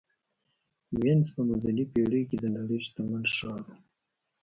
وینز په منځنۍ پېړۍ کې د نړۍ شتمن ښار و.